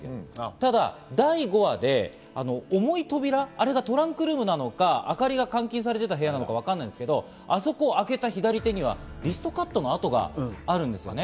ただ第５話で重い扉、あれがトランクルームなのか、光莉が監禁されていた部屋なのか分からないですけど、開けた左手にはリストカットの痕があるんです。